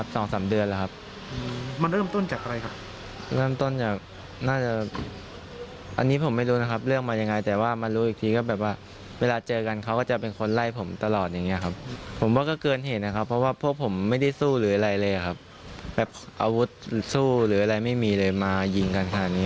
แบบอาวุธสู้หรืออะไรไม่มีเลยมายิงกันขนาดนี้